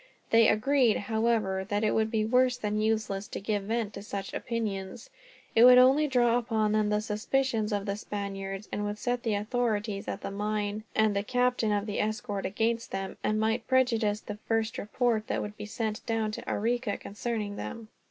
They agreed, however, that it would be worse than useless to give vent to such opinions. It would only draw upon them the suspicion of the Spaniards, and would set the authorities at the mine and the captain of the escort against them, and might prejudice the first report that would be sent down to Arica, concerning them.